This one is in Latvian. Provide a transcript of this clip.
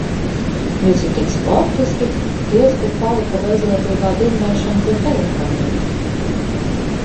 Visi tik sportiski, diez kur palika bezjēdzīgā dirnēšana pie telefoniem.